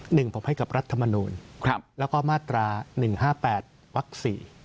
หนึ่งผมให้กับรัฐมนูลแล้วก็มาตรา๑๕๘วักสี่